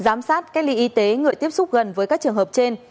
giám sát cách ly y tế người tiếp xúc gần với các trường hợp trên